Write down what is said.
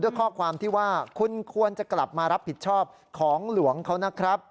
ข้อความที่ว่าคุณควรจะกลับมารับผิดชอบของหลวงเขานะครับ